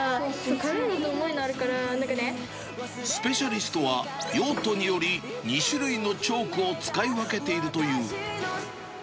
軽いのと重いのがあるから、スペシャリストは、用途により２種類のチョークを使い分けているという。